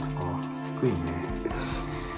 低いね。